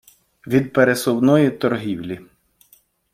від пересувної торгівлі.